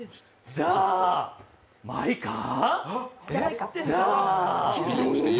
じゃー、マイカー。